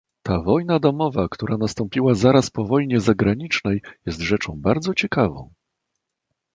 "Ta wojna domowa, która nastąpiła zaraz po wojnie zagranicznej, jest rzeczą bardzo ciekawą."